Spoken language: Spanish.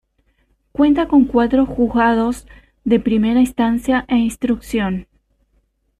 Cuenta con cuatro Juzgados de Primera Instancia e Instrucción.